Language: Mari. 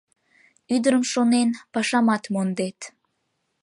Ӱдырым шонен, пашамат мондет.